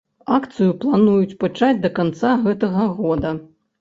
Акцыю плануюць пачаць да канца гэтага года.